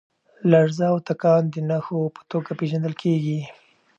لرزه او تکان د نښو په توګه پېژندل کېږي.